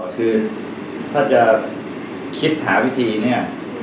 คือถ้าจะคิดหาวิธีเนี่ย